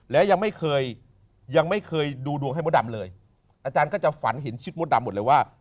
และยังไม่เคยยังไม่เคยดูดวงให้มดดำเลยอาจารย์ก็จะฝันเห็นชิดมดดำหมดเลยว่า